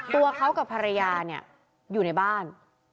ตัวเขากับภรรยาเนี่ยอยู่ในบ้าน